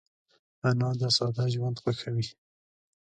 انا د ساده ژوند خوښوي